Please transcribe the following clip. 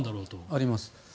あります。